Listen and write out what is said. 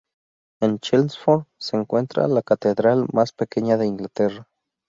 En Chelmsford se encuentra la catedral más pequeña de Inglaterra.